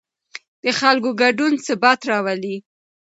د خلکو ګډون ثبات راولي